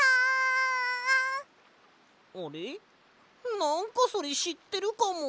なんかそれしってるかも！